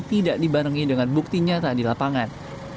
tidak dibarengi dengan buktinya tak di lapangan